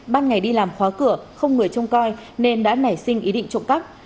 ban ngày đi làm khóa cửa không người trông coi nên đã nảy sinh ý định trộm cắp